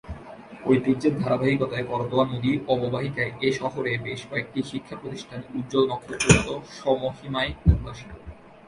ঐতিহ্যের ধারাবাহিকতায় করতোয়া নদীর অববাহিকায় এ শহরে বেশ কয়েকটি শিক্ষা প্রতিষ্ঠান উজ্জ্বল নক্ষত্রের মত স্বমহিমায় উদ্ভাসিত।